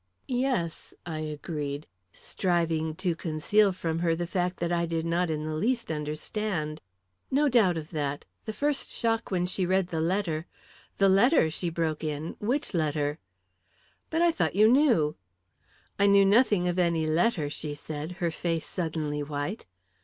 "Yes," I agreed, striving to conceal from her the fact that I did not in the least understand. "No doubt of that. The first shock when she read the letter " "The letter?" she broke in. "Which letter?" "But I thought you knew!" "I knew nothing of any letter," she said, her face suddenly white.